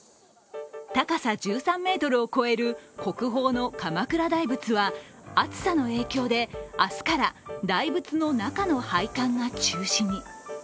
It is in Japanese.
高さ１３ｍを超える国宝の鎌倉大仏は暑さの影響で、明日から大仏の中の拝観が中止に。